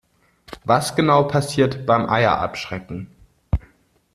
Was genau passiert beim Eier abschrecken?